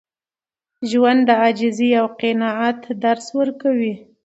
ژوند د عاجزۍ او قناعت درس ورکوي.